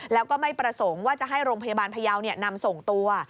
แล้วก็ไม่ประสงค์ว่าจะให้โรงพยาบาลพยาวนำส่งตัว